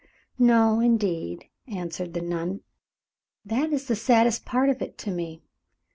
"No, indeed," answered the nun. "That is the saddest part of it to me.